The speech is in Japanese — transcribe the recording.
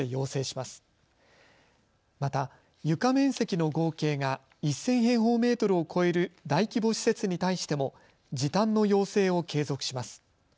また床面積の合計が１０００平方メートルを超える大規模施設に対しても時短の要請を継続します。